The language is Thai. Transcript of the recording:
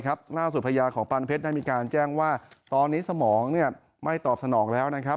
ล่าสุดพญาของปานเพชรได้มีการแจ้งว่าตอนนี้สมองไม่ตอบสนองแล้วนะครับ